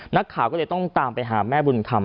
นักข่าวก็เลยต้องตามไปหาแม่บุญธรรม